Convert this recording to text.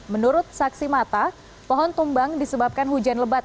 menurut saksi mata pohon tumbang disebabkan hujan lebat